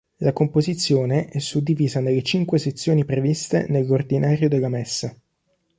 La composizione è suddivisa nelle cinque sezioni previste nell'ordinario della messa.